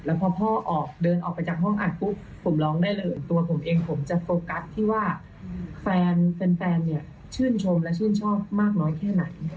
แล้วพอพ่อออกเดินออกไปจากห้องอัดปุ๊บผมร้องได้เลยตัวผมเองผมจะโฟกัสที่ว่าแฟนเนี่ยชื่นชมและชื่นชอบมากน้อยแค่ไหน